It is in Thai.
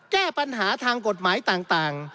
แก้ปัญหาทางกฎหมายต่าง